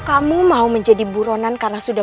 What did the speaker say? kamu mau menjadi buronan karena sudah